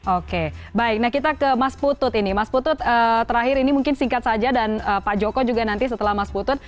oke baik nah kita ke mas putut ini mas putut terakhir ini mungkin singkat saja dan pak joko juga nanti setelah mas putut